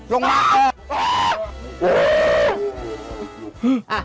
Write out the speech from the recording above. ลงมา